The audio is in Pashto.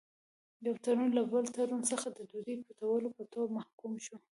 یو تورن له بل تورن څخه د ډوډۍ پټولو په تور محکوم شو.